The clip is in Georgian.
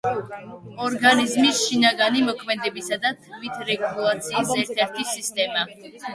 ორგანიზმის შინაგანი მოქმედებისა და თვითრეგულაციის ერთ-ერთი სისტემა.